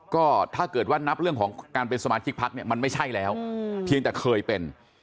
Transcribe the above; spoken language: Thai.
ก็ถ้าเกิดว่านับเรื่องของการเป็นสมาชิกพักเนี่ยมันไม่ใช่แล้วเพียงแต่เคยเป็น